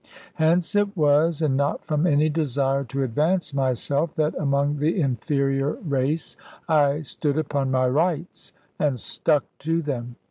Hence it was, and not from any desire to advance myself, that among the inferior race, I stood upon my rights, and stuck to them.